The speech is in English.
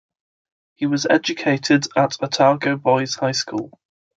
He was educated at Otago Boys' High School.